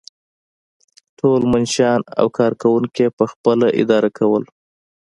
ټول منشیان او کارکوونکي یې پخپله اداره کول.